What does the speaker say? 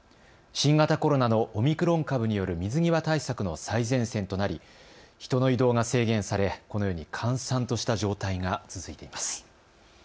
新型コロナのオミクロン株による水際対策の最前線となり人の移動が制限され、このように閑散とした状態が続いています。